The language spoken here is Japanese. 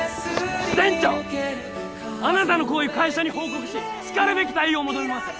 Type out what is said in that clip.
支店長あなたの行為を会社に報告ししかるべき対応を求めます